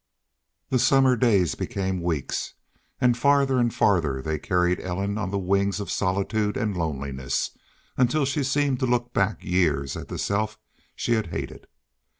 The summer days became weeks, and farther and farther they carried Ellen on the wings of solitude and loneliness until she seemed to look back years at the self she had hated.